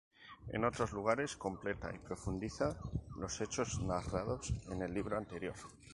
En otros lugares completa y profundiza los hechos narrados en el libro anterior.